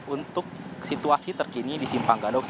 untuk situasi terkini di simpang gadok